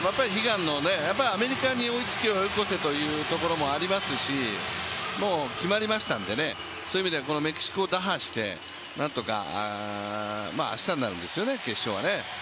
アメリカに追いつけ、追い越せというところもありますし、もう決まりましたんで、そういう意味ではこのメキシコを打破して何とか明日になるんですよね、決勝はね。